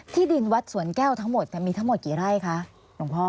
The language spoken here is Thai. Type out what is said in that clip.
ที่ดินวัดสวนแก้วทั้งหมดมีทั้งหมดกี่ไร่คะหลวงพ่อ